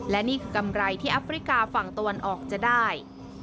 และนี่คือกำไรที่แอฟริกาฝั่งตะวันออกจะได้